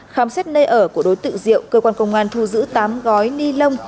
khám xét nơi ở của đối tượng diệu cơ quan công an thu giữ tám gói ni lông